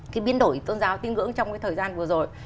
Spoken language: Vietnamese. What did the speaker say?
cái biến đổi tôn giáo tín ngưỡng trong cái thời gian vừa rồi